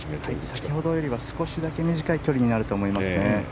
先ほどよりは少しだけ短い距離になると思いますね。